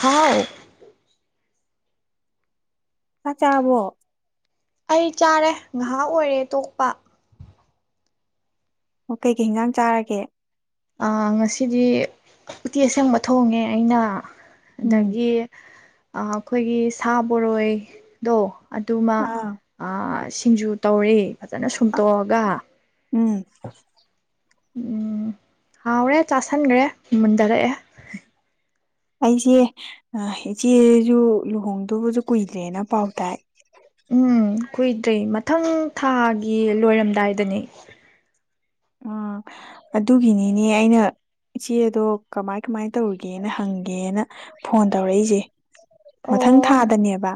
ꯍꯥꯎ ꯆꯥꯛ ꯆꯔꯕꯣ ꯑꯩ ꯆꯥꯔꯦ ꯉꯥꯏꯍꯥꯛ ꯑꯣꯏꯔꯦ ꯇꯣꯛꯄ ꯑꯣ ꯀꯩꯀꯩ ꯍꯦꯟꯖꯥꯡ ꯆꯥꯔꯒꯦ ꯉꯁꯤꯗꯤ ꯎꯇꯤ ꯑꯁꯪꯕ ꯊꯣꯡꯉꯦ ꯑꯩꯅ ꯎꯝ ꯑꯗꯒꯤ ꯑꯩꯈꯣꯏꯒꯤ ꯁꯥ ꯕꯣꯔꯣꯏꯗꯣ ꯑꯗꯨꯃ ꯑꯥ ꯑꯥ ꯁꯤꯡꯖꯨ ꯇꯧꯔꯦ ꯐꯖꯅ ꯁꯨꯝꯇꯣꯛꯑꯒ ꯎꯝ ꯎꯝ ꯍꯥꯎꯔꯦ ꯆꯥꯁꯟꯈ꯭ꯔꯦ ꯃꯨꯟꯗꯔꯛꯑꯦ ꯑꯩꯁꯦ ꯑ ꯏꯆꯦꯁꯨ ꯂꯨꯍꯣꯡꯗꯨꯕꯁꯨ ꯀꯨꯏꯗ꯭ꯔꯦꯅ ꯄꯥꯎ ꯇꯥꯏ ꯎꯝ ꯀꯨꯏꯗ꯭ꯔꯦ ꯃꯊꯪ ꯊꯥꯒꯤ ꯂꯣꯏꯔꯝꯗꯥꯏꯗꯅꯤ ꯎꯝ ꯑꯗꯨꯒꯤꯅꯤꯅꯦ ꯑꯩꯅ ꯏꯆꯦꯗꯣ ꯀꯃꯥꯏ ꯀꯃꯥꯏꯅ ꯇꯧꯔꯒꯦꯅ ꯍꯪꯒꯦꯅ ꯐꯣꯟ ꯇꯧꯔꯛꯏꯁꯦ ꯃꯊꯪ ꯑꯣ ꯊꯥꯗꯅꯦꯕ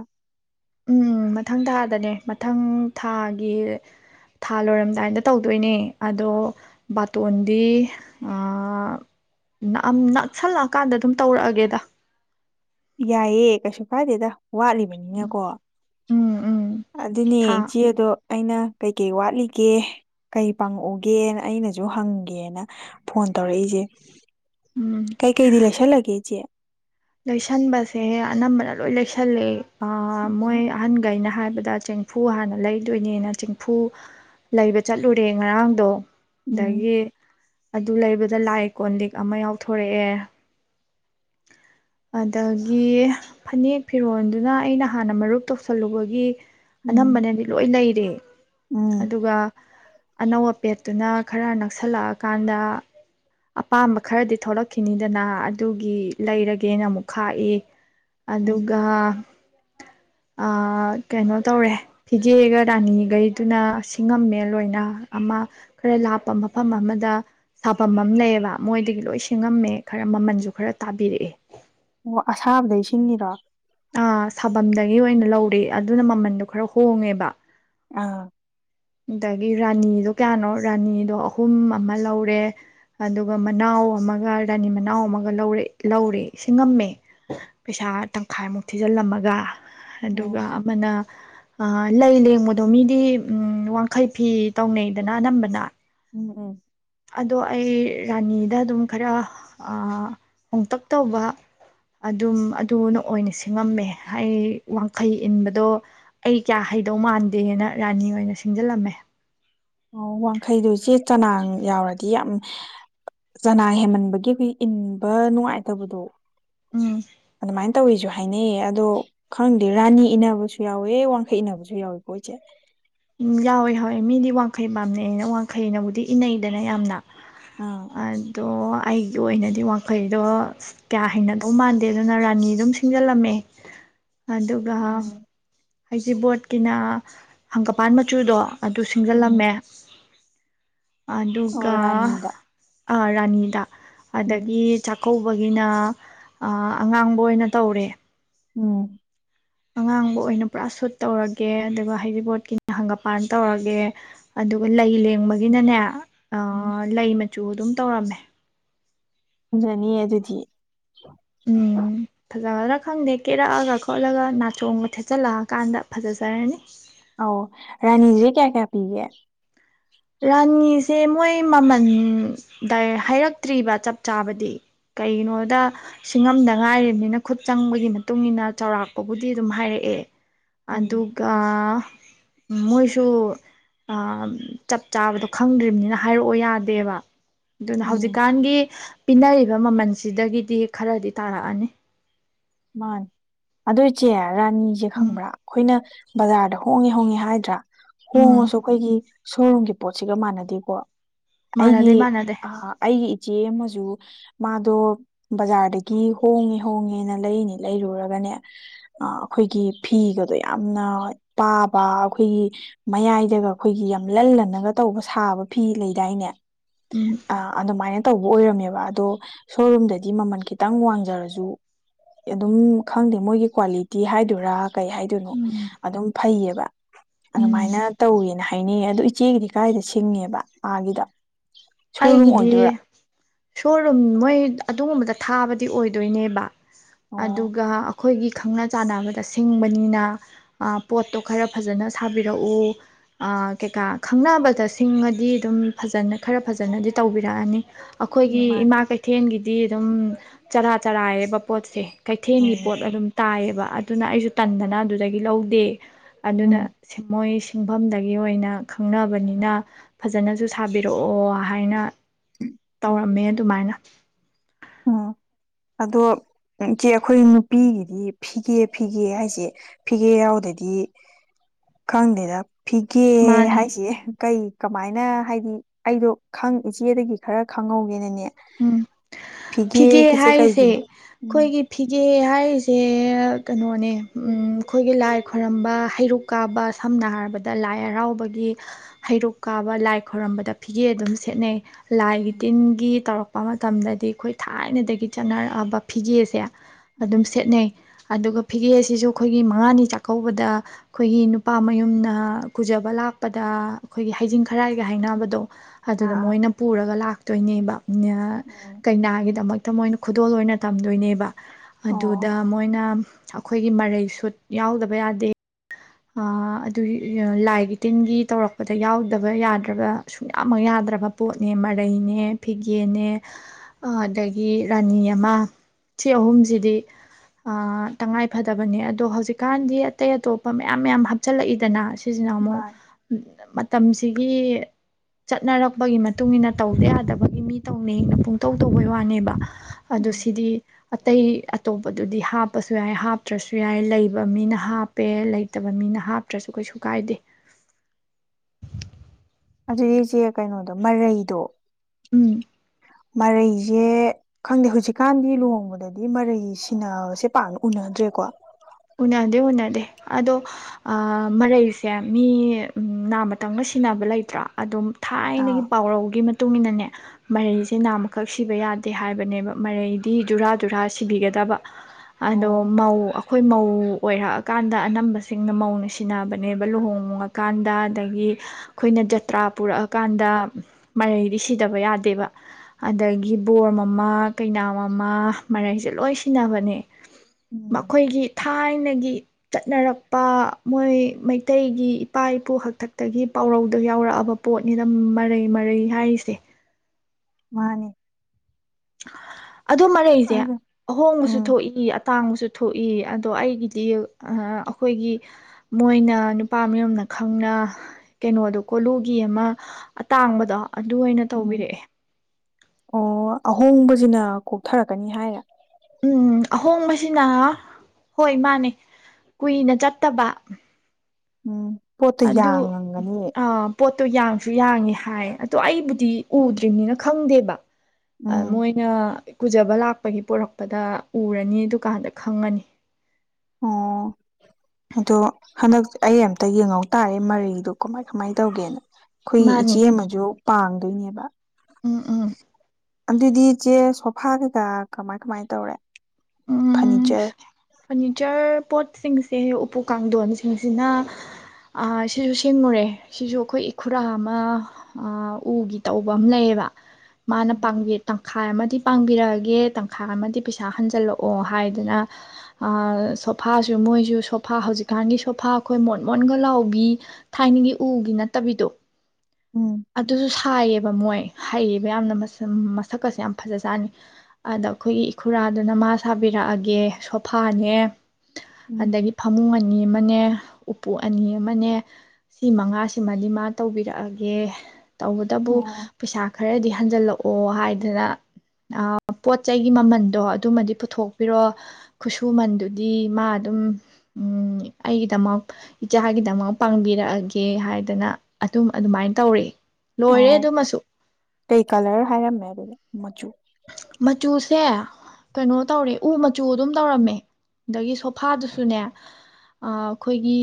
ꯎꯝ ꯃꯊꯪ ꯊꯥꯗꯅꯦ ꯃꯊꯪ ꯊꯥꯒꯤ ꯊꯥ ꯂꯣꯏꯔꯝꯗꯥꯏꯗ ꯇꯧꯗꯣꯏꯅꯦ ꯑꯗꯣ ꯕꯥꯇꯣꯟꯗꯤ ꯑꯥ ꯅꯛꯑꯝ ꯅꯛꯁꯜꯂꯛꯑꯀꯥꯟꯗ ꯑꯗꯨꯝ ꯇꯧꯔꯛꯑꯒꯦꯗ ꯌꯥꯏꯑ ꯀꯩꯁꯨ ꯀꯥꯏꯗꯦꯗ ꯋꯥꯠꯂꯤꯕꯅꯤꯅꯀꯣ ꯎꯝ ꯎꯝ ꯑꯗꯨꯅꯦ ꯊꯥ ꯏꯆꯦꯗꯣ ꯑꯩꯅ ꯀꯩꯀꯩ ꯋꯥꯠꯂꯤꯒꯦ ꯀꯩ ꯄꯥꯡꯉꯛꯎꯒꯦꯅ ꯑꯩꯅꯁꯨ ꯍꯪꯒꯦꯅ ꯐꯣꯟ ꯇꯧꯔꯛꯏꯁꯦ ꯎꯝ ꯀꯥꯏ ꯀꯩ ꯂꯁꯥ ꯂꯒꯦꯆꯦ ꯂꯩꯩꯁꯟꯕꯁꯦ ꯑꯅꯝꯕꯅ ꯂꯣꯏ ꯂꯩꯁꯜꯂꯑꯦ ꯑ ꯃꯣꯏ ꯎꯝ ꯑꯍꯥꯟꯒꯥꯏꯅ ꯍꯥꯏꯕꯗ ꯆꯦꯡꯐꯨ ꯍꯥꯟꯅ ꯂꯩꯗꯣꯏꯅꯦꯅ ꯆꯦꯡꯐꯨ ꯂꯩꯕ ꯆꯠꯂꯨꯔꯦ ꯉꯔꯥꯡꯗꯣ ꯎꯝ ꯗꯗꯒꯤꯦ ꯑꯗꯨ ꯂꯩꯕꯗ ꯂꯥꯏ ꯀꯣꯟ ꯂꯤꯛ ꯑꯃ ꯌꯥꯎꯊꯣꯔꯛꯑꯦ ꯑꯗꯒꯤ ꯐꯅꯦꯛ ꯐꯤꯔꯣꯜꯗꯨꯅ ꯑꯩꯅ ꯍꯥꯟꯅ ꯃꯔꯨꯞ ꯇꯧꯁꯜꯂꯨꯕꯒꯤ ꯎꯝ ꯑꯅꯝꯕꯅꯦꯗꯤ ꯂꯣꯏ ꯂꯩꯔꯤ ꯇꯦ ꯎꯝ ꯑꯗꯨꯒ ꯑꯅꯧ ꯑꯄꯦꯠꯇꯨꯅ ꯈꯔ ꯅꯛꯁꯜꯂꯛꯑꯀꯥꯟꯗ ꯑꯄꯥꯝꯕ ꯈꯔꯗꯤ ꯊꯣꯛꯂꯛꯈꯤꯅꯤꯗꯅ ꯑꯗꯨꯒꯤ ꯂꯩꯔꯒꯦꯅ ꯑꯃꯨꯛ ꯈꯥꯛꯏ ꯎꯝ ꯑꯗꯨꯒ ꯀꯩꯅꯣ ꯇꯧꯔꯦ ꯐꯤꯒꯦꯒ ꯔꯥꯅꯤꯈꯩꯗꯨꯅ ꯁꯤꯡꯉꯝꯃꯦ ꯂꯣꯏꯅ ꯑꯃ ꯈꯔ ꯂꯥꯞꯄ ꯃꯐꯝ ꯑꯃꯗ ꯁꯥꯐꯝ ꯑꯃ ꯂꯩꯌꯦꯕ ꯃꯣꯏꯗꯒꯤ ꯂꯣꯏ ꯁꯤꯡꯉꯝꯃꯦ ꯈꯔ ꯃꯃꯜꯁꯨ ꯈꯔ ꯇꯥꯕꯤꯔꯛꯑꯦ ꯑꯣ ꯑꯁꯥꯕꯗꯩ ꯁꯤꯟꯉꯔꯣ ꯑꯥ ꯁꯥꯐꯝꯝꯗꯒꯤ ꯑꯣꯏꯅ ꯂꯧꯔꯤ ꯑꯗꯨꯅ ꯃꯃꯟꯗꯣ ꯈꯔ ꯍꯣꯡꯉꯦꯕ ꯑꯥ ꯑꯗꯒꯤ ꯔꯥꯅꯤꯗꯣ ꯀꯌꯥꯅꯣ ꯔꯥꯅꯤꯗꯣ ꯑꯍꯨꯝ ꯑꯃ ꯂꯧꯔꯦ ꯑꯗꯨꯒ ꯃꯅꯥꯎ ꯑꯃꯒ ꯔꯥꯅꯤ ꯃꯅꯥꯎ ꯑꯃꯒ ꯂꯧꯔꯦ ꯂꯧꯔꯦ ꯏꯁꯤꯡꯉꯝꯃꯦ ꯄꯩꯁꯥ ꯇꯪꯈꯥꯏꯃꯨꯛ ꯊꯤꯖꯤꯜꯂꯝꯃꯒ ꯑꯗꯨꯒ ꯑꯣ, ꯑꯃꯅ ꯑ ꯂꯩ ꯂꯦꯡꯕꯗꯣ ꯃꯤꯗꯤ ꯎꯝ ꯋꯥꯡꯈꯩ ꯐꯤ ꯇꯧꯅꯩꯗꯅ ꯑꯅꯝꯕꯅ ꯎꯝ ꯎꯝ ꯑꯗꯣ ꯑꯩ ꯔꯥꯅꯤꯗ ꯑꯗꯨꯝ ꯈꯔ ꯍꯣꯡꯇꯛ ꯇꯧꯕ ꯑꯗꯨꯝ ꯑꯗꯨꯅ ꯑꯣꯏꯅ ꯁꯤꯡꯉꯝꯃꯦ ꯑꯩ ꯋꯥꯡꯈꯩ ꯏꯟꯕꯗꯣ ꯑꯩ ꯀꯌꯥ ꯍꯩꯗꯧ ꯃꯥꯟꯗꯦꯅ ꯔꯥꯅꯤ ꯑꯣꯏꯅ ꯁꯤꯡꯖꯤꯜꯂꯝꯃꯦ ꯑꯣ ꯋꯥꯡꯈꯩꯗꯨ ꯏꯆꯦ ꯆꯅꯥ ꯌꯥꯎꯔꯗꯤ ꯌꯥꯝ ꯆꯅꯥ ꯍꯦꯃꯟꯕꯒꯤ ꯑꯩꯈꯣꯏ ꯏꯟꯕ ꯅꯨꯡꯉꯥꯏꯇꯕꯗꯣ ꯎꯝ ꯑꯗꯨꯃꯥꯏꯅ ꯇꯧꯔꯤꯁꯨ ꯍꯥꯏꯅꯩꯌꯦ ꯑꯗꯣ ꯈꯪꯗꯦ ꯔꯥꯅꯤ ꯏꯟꯅꯕꯁꯨ ꯌꯥꯎꯋꯦ ꯋꯥꯡꯈꯩ ꯏꯟꯅꯕꯁꯨ ꯌꯥꯎꯋꯦꯀꯣ ꯑꯩꯁꯦ ꯎꯝ ꯌꯥꯎꯋꯦ ꯍꯥꯎꯋꯦ ꯃꯤꯗꯤ ꯋꯥꯡꯈꯩ ꯄꯥꯝꯅꯩ ꯑꯩꯅ ꯋꯥꯡꯈꯩꯅꯩꯅꯕꯨꯗꯤ ꯏꯅꯩꯗꯅ ꯌꯥꯝꯅ ꯑꯥ ꯑꯗꯣ ꯑꯩꯒꯤ ꯑꯣꯏꯅꯗꯤ ꯋꯥꯡꯈꯩꯗꯣ ꯀꯌꯥ ꯍꯩꯅꯗꯧ ꯃꯥꯟꯗꯦ ꯑꯗꯨꯅ ꯔꯥꯅꯤ ꯑꯗꯨꯝ ꯁꯤꯡꯖꯤꯜꯂꯝꯃꯦ ꯑꯗꯕ꯭ꯔꯍꯝ ꯎꯝ ꯍꯖꯤꯕꯣꯠꯀꯤꯅ ꯍꯪꯀꯄꯥꯟ ꯃꯆꯨꯗꯣ ꯑꯗꯨ ꯎꯝ ꯁꯤꯡꯖꯤꯜꯂꯝꯃꯦ ꯑꯣ ꯑꯗꯨꯒ ꯔꯥꯅꯤꯗ ꯥ ꯔꯥꯅꯤꯗ ꯎꯝ ꯑꯗꯒꯤ ꯆ ꯀꯧꯕꯒꯤꯅ ꯑꯉꯥꯡꯕ ꯑꯣꯏꯅ ꯇꯧꯔꯦ ꯎꯝ ꯑꯉꯥꯡꯕ ꯑꯣꯏꯅ ꯄꯨꯔꯥ ꯁꯨꯠ ꯇꯧꯔꯒꯦ ꯑꯗꯨꯒ ꯍꯩꯗꯤꯕꯣꯠꯀꯤꯅ ꯍꯪꯒꯥꯄꯥꯟ ꯇꯧꯔꯒꯦ ꯑꯗꯨꯒ ꯂꯩ ꯂꯦꯡꯕꯒꯤꯅꯅꯦ ꯑ ꯎꯝ ꯂꯩꯥꯏ ꯃ ꯆꯨ ꯑꯗꯨꯝ ꯇꯧꯔꯝꯃꯦ ꯖꯅꯤꯌꯦ ꯑꯗꯨꯗꯤ [unintelligible] ꯎꯝ ꯐꯖꯒꯗ꯭ꯔꯥ ꯈꯪꯗꯦ ꯀꯦꯔꯛꯑꯒ ꯈꯣꯠꯂꯒ ꯅꯥꯆꯣꯡꯕ ꯊꯦꯠꯆꯤꯜꯂꯛꯑꯀꯥꯟꯗ ꯐꯖꯔꯅꯤ ꯑꯥꯎ ꯔꯥꯅꯤꯖꯦ ꯀꯌꯥ ꯀꯌꯥ ꯄꯤꯒꯦ ꯔꯥꯅꯤꯁꯦ ꯃꯣꯏ ꯃꯃꯜ ꯍꯥꯏꯔꯛꯇ꯭ꯔꯤꯕ ꯆꯞ ꯆꯥꯕꯗꯤ ꯀꯩꯒꯤꯅꯣꯗ ꯁꯤꯡꯉꯝꯗ ꯉꯥꯏꯔꯤꯕꯅꯤꯅ ꯈꯨꯠ ꯆꯪꯕꯒꯤ ꯃꯇꯨꯡ ꯏꯟꯅ ꯆꯥꯎꯔꯥꯛꯄꯕꯨꯗꯤ ꯑꯗꯨꯝ ꯍꯥꯏꯔꯛꯑꯦ ꯎꯝ ꯑꯗꯨꯒ ꯃꯣꯏꯁꯨ ꯑ ꯆꯞ ꯆꯥꯕꯗꯣ ꯈꯪꯗ꯭ꯔꯤꯕꯅꯤꯅ ꯍꯥꯏꯔꯛꯑꯣ ꯌꯥꯗꯦꯕ ꯑꯗꯨꯅ ꯎꯝ ꯍꯧꯖꯤꯛꯀꯥꯟꯒꯤ ꯄꯤꯅꯔꯤꯕ ꯃꯃꯜꯁꯤꯗꯒꯤꯗꯤ ꯈꯔꯗꯤ ꯇꯥꯔꯛꯑꯅꯤ ꯃꯥꯅꯤ ꯑꯗꯨꯏꯆꯦ ꯔꯥꯅꯤꯁꯦ ꯎꯝ ꯈꯪꯕ꯭ꯔꯥ ꯑꯩꯈꯣꯏꯅ ꯕꯖꯥꯔꯗ ꯍꯣꯡꯉꯦ ꯍꯣꯡꯉꯦ ꯍꯥꯏꯗ꯭ꯔꯥ ꯎꯝ ꯍꯣꯡꯉꯁꯨ ꯑꯩꯈꯣꯏꯒꯤ ꯁꯣꯔꯨꯝꯒꯤ ꯄꯣꯠꯁꯤꯒ ꯃꯥꯟꯅꯗꯦꯀꯣ ꯃꯥꯟꯅꯗꯦ ꯑꯩꯒꯤ ꯃꯥꯟꯅꯗꯦ ꯑ ꯑꯩꯒꯤ ꯆꯦ ꯑꯃꯁꯨ ꯃꯥꯗꯣ ꯕꯖꯥꯔꯗꯒꯤ ꯍꯣꯡꯉꯦ ꯍꯣꯡꯉꯦꯅ ꯂꯩꯅꯤ ꯂꯩꯔꯨꯔꯒꯅꯦ ꯑꯩꯈꯣꯏꯒꯤ ꯐꯤꯒꯗꯣ ꯌꯥꯝꯅ ꯄꯥꯕ ꯑꯩꯈꯣꯏꯒꯤ ꯃꯌꯥꯏꯗꯒ ꯑꯩꯈꯣꯏꯒꯤ ꯌꯥꯝ ꯂꯟ ꯂꯟꯅꯒ ꯇꯧꯕ ꯁꯥꯕ ꯐꯤ ꯂꯩꯗꯥꯏꯅꯦ ꯎꯝ ꯑ ꯑꯗꯨꯗꯣ ꯃꯥꯏ ꯇꯧꯕ ꯑꯣꯏꯔꯝꯃꯦꯕ ꯑꯗꯣ ꯁꯣꯔꯨꯝꯗꯗꯤ ꯃꯃꯜ ꯈꯤꯇꯪ ꯋꯥꯡꯖꯔꯁꯨ ꯑꯗꯨꯝ ꯈꯪꯗꯦ ꯃꯣꯏꯒꯤ ꯀ꯭ꯋꯥꯂꯤꯇꯤ ꯍꯥꯏꯗꯔꯥ ꯀꯩ ꯍꯥꯏꯗꯣꯏꯅꯣ ꯎꯝ ꯑꯗꯨꯝ ꯐꯩꯌꯦꯕ ꯎꯝ ꯑꯗꯨꯃꯥꯏꯅ ꯇꯧꯋꯦꯅ ꯍꯥꯏꯅꯩꯌꯦ ꯑꯗꯨ ꯏꯆꯦꯒꯤꯗꯤ ꯀꯥꯏꯗ ꯁꯤꯡꯉꯦꯕ ꯑꯥꯒꯤꯗꯣ ꯑꯩꯒꯤꯗꯤ ꯁꯣꯔꯨꯝ ꯃꯣꯏ ꯑꯗꯨꯒꯨꯝꯕꯗ ꯊꯥꯕꯗꯤ ꯑꯣꯏꯗꯣꯏꯅꯦꯕ ꯑꯣ ꯑꯗꯨꯒ ꯑꯩꯈꯣꯏꯒꯤ ꯈꯪꯅ ꯆꯥꯟꯅꯕꯗ ꯁꯤꯡꯕꯅꯤꯅ ꯄꯣꯠꯇꯣ ꯈꯔ ꯐꯖꯅ ꯁꯥꯕꯤꯔꯛꯎ ꯀꯩꯀꯥ ꯈꯪꯅꯕꯗ ꯁꯤꯡꯉꯗꯤ ꯑꯗꯨꯝ ꯐꯖꯅ ꯈꯔ ꯐꯖꯅꯗꯤ ꯇꯧꯕꯤꯔꯛꯑꯅꯤ ꯎꯝ ꯑꯩꯈꯣꯏꯒꯤ ꯃꯥꯅꯦ ꯏꯃꯥ ꯀꯩꯊꯦꯜꯒꯤꯗꯤ ꯗꯤ ꯑꯗꯨꯝ ꯆꯔꯥ ꯆꯔꯥ ꯍꯥꯏꯌꯦꯕ ꯄꯣꯠꯁꯦ ꯀꯩꯊꯦꯜꯒꯤ ꯎꯝ ꯄꯣꯠ ꯑꯗꯨꯝ ꯇꯥꯏꯌꯦ ꯑꯗꯨꯅ ꯑꯩꯁꯨ ꯇꯟꯗꯅ ꯑꯗꯨꯗꯒꯤ ꯂꯧꯗꯦ ꯑꯗꯨꯅ ꯎꯝ ꯃꯣꯏ ꯁꯤꯡꯐꯝꯗꯒꯤ ꯑꯣꯏꯅ ꯈꯪꯅꯕꯅꯤꯅ ꯐꯖꯅꯁꯨ ꯁꯥꯕꯤꯔꯛꯑꯣ ꯃꯍꯥꯏꯅ ꯇꯧꯔ ꯃꯠ ꯇꯨꯃꯥꯏꯅ ꯎꯝ ꯑꯗꯣꯆꯦ ꯑꯩꯈꯣꯏ ꯅꯨꯄꯤꯒꯤꯗꯤ ꯐꯤꯒꯦ ꯐꯤꯒꯦ ꯍꯥꯏꯁꯦ ꯐꯤꯒꯦ ꯌꯥꯎꯗꯗꯤ ꯈꯪꯗꯦꯗ ꯐꯤꯒꯦ ꯃꯥꯅꯦ ꯍꯥꯏꯁꯦ ꯀꯩ ꯀꯃꯥꯏꯅ ꯍꯥꯏꯗꯤ ꯑꯩꯗꯣ ꯈꯪ ꯏꯆꯦꯗꯒꯤ ꯈꯔ ꯈꯪꯍꯧꯒꯦꯅꯅꯦ ꯎꯝ ꯐꯤꯒꯦ ꯐꯤꯒꯦꯒꯤꯁꯦ ꯍꯥꯏꯁꯦ ꯀꯩꯒꯤꯅꯣ ꯎꯝ ꯑꯩꯈꯣꯏꯒꯤ ꯐꯤꯒꯦ ꯐꯤꯒꯦ ꯍꯥꯏꯔꯤꯁꯦ ꯀꯩꯅꯣꯅꯦ ꯑꯩꯈꯣꯏꯒꯤ ꯂꯥꯏ ꯈꯣꯏꯔꯝꯕ ꯍꯩꯔꯨꯛ ꯀꯥꯕ ꯁꯝꯅ ꯍꯥꯏꯔꯕꯗ ꯂꯥꯏ ꯍꯔꯥꯎꯕꯒꯤ ꯍꯩꯔꯨꯛ ꯀꯥꯕ ꯂꯥꯏ ꯈꯣꯏꯔꯝꯕꯗ ꯐꯤꯒꯦ ꯑꯗꯨꯝ ꯁꯦꯠꯅꯩ ꯂꯥꯏꯒꯤ ꯎꯝ ꯇꯤꯟꯒꯤ ꯇꯥꯔꯛ ꯄ ꯃꯇꯝꯗꯗꯤ ꯑꯩꯈꯣꯏ ꯊꯥꯏꯅꯗꯒꯤ ꯆꯠꯅꯔꯛꯑꯕ ꯐꯤꯒꯦꯁꯦ ꯑꯗꯨꯝ ꯎꯝ ꯁꯦꯠꯅꯩ ꯑꯗꯨꯒ ꯐꯤꯒꯦ ꯑꯁꯤꯁꯨ ꯑꯩꯈꯣꯏꯒꯤ ꯃꯉꯥꯅꯤ ꯆꯥꯛꯀꯧꯕꯗ ꯑꯩꯈꯣꯏꯒꯤ ꯅꯨꯄꯥ ꯃꯌꯨꯝꯅ ꯀꯨꯖꯕ ꯂꯥꯛꯄꯗ ꯑꯩꯈꯣꯏꯒꯤ ꯍꯩꯖꯤꯡ ꯈꯔꯥꯏꯒ ꯍꯥꯏꯅꯕꯗꯣ ꯑꯗꯨꯅ ꯑꯥ ꯃꯣꯏꯅ ꯄꯨꯔꯒ ꯂꯥꯛꯇꯣꯏꯅꯦꯕ ꯑꯥ ꯎꯝ ꯀꯩꯅꯥꯒꯤ ꯒꯤ ꯗꯃꯛꯇ ꯃꯣꯏꯅ ꯈꯨꯗꯣꯜ ꯑꯣꯏꯅ ꯇꯝꯗꯣꯏꯅꯦꯕ ꯑꯗꯨꯗ ꯑꯣ ꯃꯣꯏꯅ ꯑꯩꯈꯣꯏꯒꯤ ꯃꯔꯩ ꯁꯨꯠ ꯌꯥꯎꯗꯕ ꯌꯥꯗꯦ ꯑꯗꯨꯒꯤ ꯂꯥꯏꯒꯤ ꯇꯤꯟꯒꯤ ꯇꯧꯔꯛꯄꯗ ꯌꯥꯎꯗꯕ ꯌꯥꯗ꯭ꯔꯕ ꯁꯨꯡꯌꯥꯃꯛ ꯌꯥꯗ꯭ꯔꯕ ꯄꯣꯠꯅꯦ ꯃꯔꯩꯅꯦ ꯐꯤꯒꯦꯅꯦ ꯑꯗꯒꯤ ꯔꯥꯅꯤ ꯑꯃ ꯁꯤ ꯑꯍꯨꯝꯁꯤꯗꯤ ꯇꯉꯥꯏꯐꯗꯕꯅꯦ ꯑꯗꯣ ꯍꯧꯖꯤꯛꯀꯥꯟꯗꯤ ꯑꯇꯩ ꯑꯇꯣꯞ ꯑ ꯃꯌꯥꯝ ꯃꯌꯥꯝ ꯍꯥꯞꯆꯤꯜꯂꯛꯏꯗꯅ ꯣ ꯃꯥꯅꯤ ꯃꯇꯝ ꯁꯤꯒꯤ ꯆꯠꯅꯔꯛꯄꯒꯤ ꯃꯇꯨꯡ ꯃꯇꯨꯡꯏꯟꯅ ꯇꯧꯗ ꯌꯥꯗꯕꯒꯤ ꯃꯤ ꯇꯧꯅꯤ ꯑꯩꯅ ꯄꯨꯡꯇꯧ ꯇꯧꯕꯩ ꯋꯥꯅꯦꯕ ꯑꯗꯨ ꯎꯝ ꯁꯤꯗꯤ ꯑꯇꯩ ꯑꯇꯣꯞꯄꯗꯨꯗꯤ ꯍꯥꯞꯄꯁꯨ ꯌꯥꯏ ꯍꯥꯞꯇ꯭ꯔꯁꯨ ꯌꯥꯏ ꯂꯩꯕ ꯃꯤꯅ ꯍꯥꯞꯄꯦ ꯂꯩꯇꯕ ꯃꯤꯅ ꯍꯥꯞꯇ꯭ꯔꯁꯨ ꯀꯩꯁꯨ ꯀꯥꯏꯗꯦ ꯑꯗꯨꯏꯆꯦ ꯀꯩꯅꯣꯗꯣ ꯃꯔꯩꯗꯣ ꯎꯝ ꯃꯥꯔ ꯁꯦ ꯈꯪꯗꯦ ꯍꯧꯖꯤꯛꯀꯥꯟꯗꯤ ꯂꯨꯍꯣꯡꯕꯗꯗꯤ ꯃꯔꯩ ꯁꯤꯟꯅꯁꯦ ꯄꯥꯛꯝꯅ ꯎꯅꯗ꯭ꯔꯦꯀꯣ ꯎꯅꯗꯦ ꯎꯅꯗꯦ ꯑꯗꯣ ꯃꯔꯩꯁꯦ ꯃꯤ ꯅꯥ ꯃꯇꯝꯒ ꯁꯤꯟꯅꯕ ꯂꯩꯇ꯭ꯔꯥ ꯑꯗꯨꯝ ꯊꯥꯏꯅꯒꯤ ꯑꯥ ꯄꯥꯎꯔꯧꯒꯤ ꯏꯟꯅꯅꯦ ꯃꯔꯩꯁꯦ ꯅꯥꯝꯃꯈꯛ ꯁꯤꯕ ꯌꯥꯗꯦ ꯍꯥꯏꯕꯅꯦꯕ ꯃꯔꯩꯗꯤ ꯖꯨꯔꯥ ꯨꯔꯥ ꯁꯤꯕꯤꯒꯗꯕ ꯑꯗꯣ ꯑꯣ ꯃꯧ ꯑꯩꯈꯣꯏ ꯃꯧ ꯑꯣꯏꯔꯛꯑꯀꯥꯟꯗ ꯑꯅꯝꯕꯁꯤꯡꯅ ꯃꯧꯅ ꯁꯤꯟꯅꯕꯅꯦꯕ ꯂꯨꯍꯣꯡꯣꯡꯉꯀꯥꯟꯗ ꯑꯗꯒꯤ ꯑꯩꯈꯣꯏꯅ ꯖꯇ꯭ꯔꯥ ꯄꯨꯔꯛꯑꯀꯥꯟꯗ ꯃꯔꯩꯗꯤ ꯁꯤꯗꯕ ꯌꯥꯗꯦꯕ ꯑꯗꯒꯤ ꯕꯣꯔ ꯑꯃꯃꯥ ꯀꯩꯅꯥꯝ ꯑꯃꯃꯥ ꯃꯔꯩꯁꯦ ꯂꯣꯏ ꯁꯤꯟꯅꯕꯅꯦ ꯃꯥ ꯎꯝ ꯊꯥꯏꯅꯒꯤ ꯆꯠꯅꯔꯛꯄ ꯃꯣꯏ ꯃꯩꯇꯩꯒꯤ ꯏꯄꯥ ꯏꯄꯨ ꯍꯥꯛꯇꯛꯇꯒꯤ ꯄꯥꯎꯔꯧꯗꯣ ꯌꯥꯎꯔꯛꯑꯕ ꯄꯣꯠꯅꯤꯅ ꯃꯔꯩ ꯃꯔꯩ ꯍꯥꯏꯔꯤꯁꯦ ꯃꯥꯅꯦ ꯑ ꯑꯗꯨ ꯃꯔꯩꯁꯦ ꯑꯗꯨ ꯑꯍꯣꯡꯕꯁꯨ ꯎꯝ ꯊꯣꯛꯏ ꯑꯇꯥꯡꯕꯁꯨ ꯊꯣꯛꯏ ꯏ ꯑꯗꯣ ꯑꯩꯒꯤꯗꯤ ꯑꯩꯈꯣꯏꯒꯤ ꯃꯣꯏꯅ ꯅꯨꯄꯥ ꯃꯌꯨꯝꯅ ꯈꯪꯅ ꯀꯩꯅꯣꯗꯣ ꯀꯣꯂꯨꯒꯤ ꯑꯃ ꯑꯇꯥꯡꯕꯗꯣ ꯑꯗꯨ ꯑꯣꯏꯅ ꯎꯝ ꯇꯧꯕꯤꯔꯛꯑꯦ ꯑꯣ ꯑꯍꯣꯡꯕꯁꯤꯅ ꯀꯣꯛꯊꯔꯛꯀꯅꯤ ꯍꯥꯏꯔꯦ ꯎꯝ ꯑꯍꯣꯡꯕꯁꯤꯅ ꯍꯣꯏ ꯃꯥꯅꯦ ꯀꯨꯏꯅ ꯆꯠꯇꯕ ꯎꯝ ꯄꯣꯠꯇꯣ ꯌꯥꯡꯉꯝꯒꯅꯤꯌꯦ ꯑꯣ ꯌꯥꯡꯁꯨ ꯌꯥꯡꯉꯦ ꯍꯥꯏ ꯑꯗꯣ ꯑꯩꯕꯨꯗꯤ ꯎꯗ꯭ꯔꯤꯕꯅꯤꯅ ꯈꯪꯗꯦꯕ ꯎꯝ ꯃꯣꯏꯅ ꯀꯨꯖꯕ ꯂꯥꯛꯄꯒꯤ ꯄꯣꯔꯛꯄꯗ ꯎꯔꯅꯤ ꯗꯨꯀꯥꯟꯗ ꯈꯪꯉꯅꯤ ꯑꯣ ꯑꯗꯣ ꯍꯟꯗꯛ ꯑꯩ ꯑꯝꯇ ꯌꯦꯡꯍꯧ ꯇꯥꯔꯦ ꯃꯔꯤꯗꯣ ꯀꯃꯥꯏ ꯀꯃꯥꯏꯅ ꯇꯧꯒꯦꯅ ꯑꯩꯈꯣꯏꯒꯤ ꯃꯥꯅꯤ ꯏꯆꯦ ꯑꯃꯁꯨ ꯄꯥꯡꯗꯣꯏꯅꯦꯕ ꯎꯝ ꯎꯝ ꯑꯗꯨꯗꯤ ꯏꯆꯦ ꯁꯣꯐꯥ ꯀꯩꯀꯥ ꯀꯃꯥꯏ ꯀꯃꯥꯏ ꯇꯧꯔꯦ ꯎꯝ ꯐꯔꯅꯤꯆꯔ ꯐꯥꯅꯤꯆꯔ ꯄꯣꯠ ꯁꯤꯡꯁꯦ ꯎꯄꯨ ꯀꯥꯡꯊꯣꯟꯁꯤꯡꯁꯤꯅ ꯁꯤꯁꯨ ꯁꯦꯡꯉꯨꯔꯦ ꯁꯤꯁꯨ ꯑꯩꯈꯣꯏ ꯏꯈꯨꯔꯥ ꯑꯃ ꯎꯒꯤ ꯇꯧꯕ ꯑꯃ ꯂꯩꯌꯦꯕ ꯃꯥꯅ ꯄꯥꯡꯕꯤ ꯇꯪꯈꯥꯏ ꯑꯃꯗꯤ ꯄꯥꯡꯕꯤꯔꯛꯑꯒꯦ ꯇꯪꯈꯥꯏ ꯑꯃꯗꯤ ꯄꯩꯁꯥ ꯍꯟꯖꯜꯂꯛꯑꯣ ꯑꯣ ꯍꯥꯏꯗꯅ ꯁꯣꯐꯥꯁꯨ ꯃꯣꯏꯁꯨ ꯁꯣꯐꯥ ꯍꯧꯖꯤꯛꯀꯥꯟꯒꯤ ꯁꯣꯐꯥ ꯑꯩꯈꯣꯏ ꯃꯣꯟ ꯃꯣꯟꯒ ꯂꯥꯎꯕꯤ ꯊꯥꯏꯅꯒꯤ ꯎꯒꯤ ꯅꯠꯇꯕꯤꯗꯣ ꯎꯝ ꯑꯗꯨ ꯑꯗꯨ ꯍꯥꯏꯥꯏꯌꯦꯕ ꯃꯣꯏ ꯍꯩꯌꯦꯕ ꯌꯥꯝꯅ ꯃꯁꯛꯀꯁ ꯌꯥꯝ ꯐꯖꯥꯅꯤ ꯑꯗ ꯑꯩꯈꯣꯏꯒꯤ ꯏꯈꯨꯔꯥꯗꯨꯅ ꯃꯥ ꯁꯥꯕꯤꯔꯛꯑꯒꯦ ꯁꯣꯐꯥꯅꯦ ꯎꯝ ꯑꯗꯒꯤ ꯐꯃꯨꯡ ꯑꯅꯤ ꯑꯅꯤ ꯑꯃꯅꯦ ꯎꯄꯨ ꯑꯅꯤ ꯑꯃꯅꯦ ꯁꯤ ꯃꯉꯥꯁꯤꯃꯗꯤ ꯃꯥ ꯇꯧꯕꯤꯔꯛꯑꯒꯦ ꯇꯧꯕꯇꯕꯨ ꯑꯣ ꯄꯩꯁꯥ ꯈꯔꯗꯤ ꯍꯟꯖꯜꯂꯛꯎ ꯑꯣ ꯍꯥꯏꯗꯅ ꯄꯣꯠ ꯆꯩꯒꯤ ꯃꯃꯟꯗꯣ ꯑꯗꯨꯃꯗꯤ ꯄꯨꯊꯣꯛꯄꯤꯔꯣ ꯈꯨꯠꯁꯨꯃꯟꯗꯨꯗꯤ ꯃꯥ ꯑꯗꯨꯝ ꯑꯩꯒꯤꯗꯃꯛ ꯏꯆꯥꯒꯤꯗꯃꯛ ꯄꯥꯡꯕꯤꯔꯛꯑꯒꯦ ꯍꯥꯏꯗꯅ ꯑꯗꯨꯝ ꯑꯗꯨꯃꯥꯏꯅ ꯇꯧꯔꯑꯦ ꯑ ꯀꯩ ꯀꯂꯔ ꯍꯥꯏꯔꯝꯃꯦ ꯑꯗꯨꯅꯦ ꯃꯆꯨ ꯃꯆꯨꯁꯦ ꯀꯩꯅꯣ ꯇꯧꯔꯦ ꯎ ꯃꯆꯨ ꯑꯗꯨꯝ ꯇꯧꯔꯝꯃꯦ ꯑꯗꯒꯤ ꯁꯣꯐꯥꯗꯨꯁꯨꯅꯦ ꯑꯩꯈꯣꯏꯒꯤ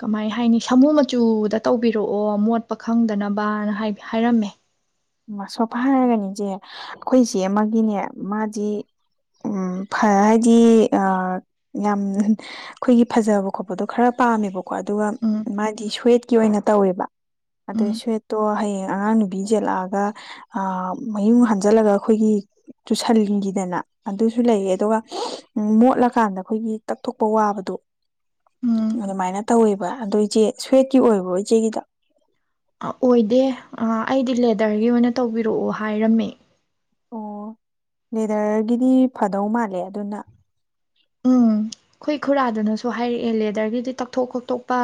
ꯀꯃꯥꯏ ꯍꯥꯏꯅꯤ ꯁꯥꯃꯨ ꯃꯆꯨꯗ ꯇꯧꯕꯤꯔꯛꯑꯣ ꯃꯣꯠꯄ ꯈꯪꯗꯅꯕꯅ ꯍꯥꯏꯔꯝꯃꯦ ꯑꯁꯣꯄ ꯍꯥꯏꯔꯒꯅꯤꯁꯦ ꯑꯩꯈꯣꯏ ꯏꯁꯦ ꯑꯃꯒꯤꯅꯦ ꯃꯥꯗꯤ ꯍꯥꯏꯗꯤ ꯌꯥꯝ ꯑꯩꯈꯣꯏꯒꯤ ꯐꯖꯕ ꯈꯣꯠꯄꯗꯣ ꯈꯔ ꯄꯥꯝꯃꯦꯕꯀꯣ ꯑꯗꯨꯒ ꯎꯝ ꯃꯥꯗꯤ ꯁ꯭ꯋꯦꯠꯀꯤ ꯑꯣꯏꯅ ꯇꯧꯋꯦꯕ ꯑꯗꯣ ꯎꯝ ꯁ꯭ꯋꯦꯠꯇꯣ ꯍꯌꯦꯡ ꯑꯉꯥꯡ ꯅꯨꯕꯤ ꯆꯦꯜꯂꯛꯑꯒ ꯑꯗꯨꯒ ꯃꯌꯨꯡ ꯍꯥꯟꯖꯜꯂꯒ ꯑꯩꯈꯣꯏꯒꯤ ꯆꯨꯁꯟꯈꯤꯗꯅ ꯑꯗꯨꯁꯨ ꯂꯩꯌꯦ ꯑꯗꯨꯒ ꯃꯣꯠꯂꯀꯥꯟꯗ ꯑꯩꯈꯣꯏꯒꯤ ꯇꯛꯊꯣꯛꯄ ꯋꯥꯕꯗꯣ ꯎꯝ ꯑꯗꯨꯃꯥꯏꯅ ꯇꯧꯋꯦꯕ ꯑꯗꯣ ꯏꯆꯦ ꯁ꯭ꯋꯦꯠꯀꯤ ꯑꯣꯏꯕꯣ ꯏꯆꯦꯒꯤꯗ ꯑꯣꯏꯗꯦ ꯑꯩꯗꯤ ꯂꯦꯗꯔꯒꯤ ꯑꯣꯏꯅ ꯇꯧꯕꯤꯔꯛꯑꯣ ꯍꯥꯏꯔꯝꯃꯦ ꯑꯣ ꯂꯦꯗꯔꯒꯤꯗꯤ ꯐꯗꯧ ꯃꯥꯜꯂꯦ ꯑꯗꯨꯅ ꯎꯝ ꯑꯩꯈꯣꯏ ꯈꯨꯔꯥꯗꯨꯅꯁꯨ ꯍꯥꯏꯔꯛꯑꯦ ꯂꯦꯗꯔꯒꯤꯗꯤ ꯇꯛꯊꯣꯛ ꯈꯣꯠꯇꯣꯛꯄ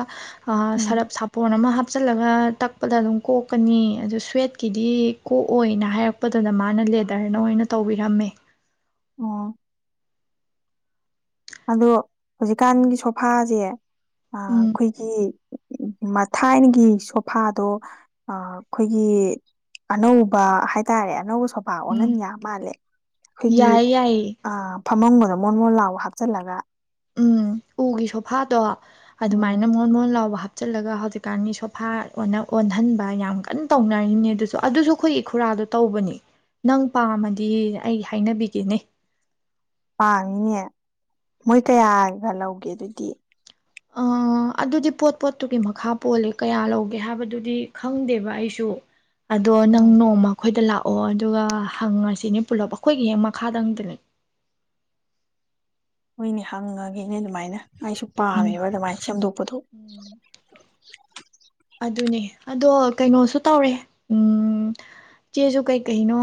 ꯎꯝ ꯁꯔꯞ ꯁꯥꯄꯣꯟ ꯑꯃ ꯍꯥꯞ ꯍꯥꯞꯆꯤꯜꯂꯒ ꯇꯛꯄꯗ ꯑꯗꯨꯝ ꯀꯣꯛꯀꯅꯤ ꯑꯗꯨ ꯁ꯭ꯋꯦꯠꯀꯤꯗꯤ ꯀꯣꯛꯑꯣꯏꯅ ꯍꯥꯏꯔꯛꯄꯗꯨꯗ ꯃꯥꯅ ꯂꯦꯗꯔꯅ ꯑꯣꯏꯅ ꯇꯧꯕꯤꯔꯝꯃꯦ ꯑꯣ ꯑꯗꯣ ꯍꯧꯖꯤꯛꯀꯥꯟꯒꯤ ꯁꯣꯐꯥꯁꯦ ꯑ ꯎꯝ ꯑꯩꯈꯣꯏꯒꯤ ꯎ ꯃꯊꯥꯏꯅꯒꯤ ꯁꯣꯐꯥꯗꯣ ꯑ ꯑꯩꯈꯣꯏꯒꯤ ꯑꯅꯧꯕ ꯍꯥꯏꯇꯥꯔꯦ ꯑꯅꯧꯕ ꯊꯣꯕꯥ ꯑꯣꯅꯟ ꯎꯝ ꯌꯥ ꯃꯥꯜꯂꯦ ꯑꯩꯈꯣꯏꯒꯤ ꯌꯥꯏꯌꯦ ꯌꯥꯏꯌꯦ ꯑ ꯐꯃꯝꯒꯗ ꯃꯣꯟ ꯃꯣꯟ ꯂꯑꯣ ꯍꯥꯞ ꯆꯠꯂꯒ ꯎꯝ ꯎꯒꯤ ꯁꯣꯐꯥꯗꯣ ꯑꯗꯨꯃꯥꯏꯅ ꯎꯝ ꯃꯣꯟ ꯂꯣꯟ ꯂꯥꯎꯕ ꯍꯥꯞ ꯆꯠꯂꯒ ꯍꯧꯖꯤꯛꯀꯥꯟꯒꯤ ꯁꯣꯐꯥ ꯑꯣꯟꯍꯟꯕ ꯌꯥꯝ ꯀꯟꯅ ꯇꯧꯅꯔꯤꯝꯅꯦ ꯑꯗꯨꯁꯨ ꯑꯗꯨꯁꯨ ꯑꯩꯈꯣꯏꯒꯤ ꯈꯨꯔꯥꯗꯣ ꯇꯧꯕꯅꯤ ꯅꯪ ꯄꯥꯝꯃꯗꯤ ꯑꯩ ꯍꯥꯏꯅꯕꯤꯒꯦꯅꯦ ꯄꯥꯡꯉꯤꯅꯦ ꯃꯣꯏ ꯀꯌꯥꯒ ꯂꯧꯒꯦ ꯑꯗꯨꯗꯤ ꯑ ꯑꯗꯨꯗꯤ ꯄꯣꯠ ꯄꯣꯠꯇꯨꯒꯤ ꯃꯈꯥ ꯄꯣꯜꯂꯦ ꯀꯌꯥ ꯂꯧꯒꯦ ꯍꯥꯏꯕꯗꯨꯗꯤ ꯈꯪꯗꯦꯕ ꯑꯩꯁꯨ ꯑꯗꯣ ꯅꯪ ꯎꯝ ꯅꯣꯡꯃ ꯑꯩꯈꯣꯏꯗ ꯂꯥꯛꯑꯣ ꯑꯣ ꯑꯗꯨꯒ ꯍꯪꯉꯁꯤꯅꯦ ꯄꯨꯂꯞ ꯑꯩꯈꯣꯏꯒꯤ ꯍꯦꯛ ꯃꯈꯥꯗꯪꯗꯅꯦ ꯍꯣꯏꯅꯦ ꯍꯪꯉꯒꯦꯅꯦ ꯑꯗꯨꯃꯥꯏꯅ ꯑꯩꯁꯨ ꯎꯝ ꯄꯥꯝꯃꯦꯕ ꯑꯗꯨꯃꯥꯏꯅ ꯁꯦꯝꯗꯣꯛꯄꯊꯣꯛ ꯎꯝ ꯑꯗꯨꯅꯦ ꯑꯗꯣ ꯀꯩꯅꯣꯁꯨ ꯇꯧꯔꯦ ꯎ ꯆꯦꯁꯨ ꯀꯩꯀꯩꯅꯣ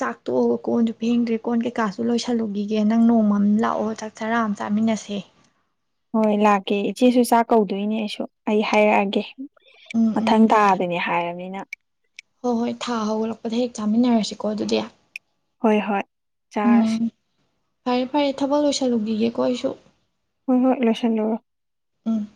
ꯆꯥꯛꯇꯣꯛꯑꯒ ꯀꯣꯟꯁꯨ ꯐꯦꯡꯗ꯭ꯔꯦ ꯀꯣꯟ ꯀꯩꯀꯥꯁꯨ ꯂꯣꯏꯁꯜꯂꯨꯈꯤꯒꯦ ꯅꯪ ꯅꯣꯡꯃꯝ ꯂꯥꯛꯑꯣ ꯆꯥꯛ ꯆꯔꯥ ꯑꯃ ꯆꯥꯃꯤꯟꯅꯁꯦ ꯍꯣꯏ ꯂꯥꯛꯀꯦ ꯏꯆꯦꯁꯨ ꯆꯥꯛ ꯀꯧꯗꯣꯏꯅꯦ ꯑꯩꯁꯨ ꯑꯩ ꯍꯥꯏꯔꯛꯑꯒꯦ ꯎꯝ ꯎꯝ ꯃꯊꯪ ꯇꯥꯗꯅꯦ ꯍꯥꯏꯔꯕꯅꯤꯅ ꯍꯣꯏ ꯍꯣꯏ ꯊꯥ ꯍꯧꯒꯠꯂꯛꯄꯗ ꯍꯦꯛ ꯆꯥꯃꯤꯟꯅꯔꯁꯤꯀꯣ ꯑꯗꯨꯗꯤ ꯍꯣꯏ ꯍꯣꯏ ꯆꯥꯁ ꯎꯝ ꯐꯔꯦ ꯐꯔꯦ ꯊꯕꯛ ꯂꯣꯏꯁꯜꯂꯨꯈꯤꯒꯦꯀꯣ ꯑꯩꯁꯨ ꯍ ꯍ ꯂꯁꯟ ꯂꯕ ꯎꯝ